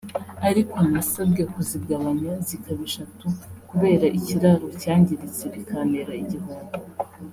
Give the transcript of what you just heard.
ariko nasabwe kuzigabanya zikaba eshatu kubera ikiraro cyangiritse bikantera igihombo